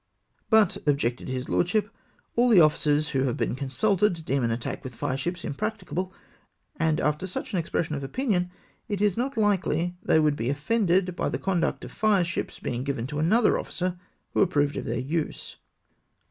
But," objected his lordship, " all the officers who have been consulted deem an attack with fire ships im practicable, and after such an expression of opinion, it is not hkely they would be offended by the conduct of fire ships being given to another officer who approved of their use."